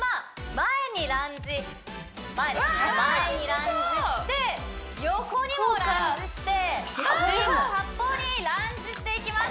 前にランジして横にもランジして四方八方にランジしていきます